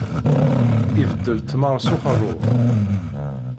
Ibeddel ttmeṛ s uxerrub.